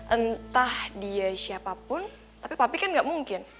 entah dia siapapun tapi papi kan gak mungkin